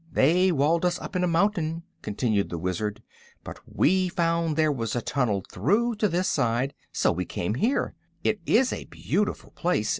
"They walled us up in a mountain," continued the Wizard; "but we found there was a tunnel through to this side, so we came here. It is a beautiful place.